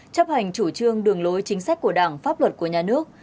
chấp hành chủ trương đường lối chính sách của đảng pháp luật của nhà nước